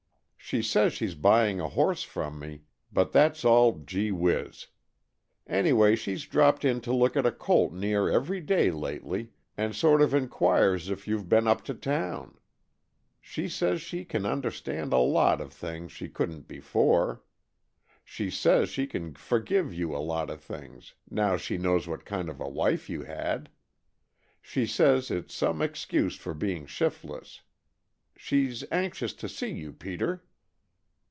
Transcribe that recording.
She says she's buying a horse from me, but that's all gee whiz. Anyway, she's dropped in to look at a colt near every day lately, and sort of enquires if you've been up to town. She says she can understand a lot of things she couldn't before. She says she can forgive you a lot of things, now she knows what kind of a wife you had. She says it's some excuse for being shiftless. She's anxious to see you, Peter."